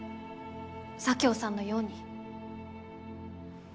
左京さんのように。